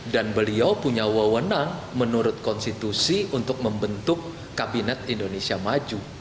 dan beliau punya wawanan menurut konstitusi untuk membentuk kabinet indonesia maju